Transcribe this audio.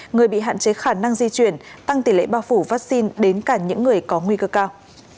người bị hạn chế khả năng di chuyển tăng tỷ lệ bao phủ vaccine đến cả những người có nguy cơ cao